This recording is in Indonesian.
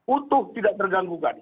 utuh tidak terganggu